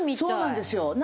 そうなんですよ。